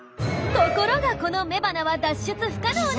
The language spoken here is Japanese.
ところがこの雌花は脱出不可能な作り！